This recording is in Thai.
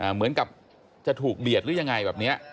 เหมือนกับจะถูกเบียดหรือยังไงแบบนี้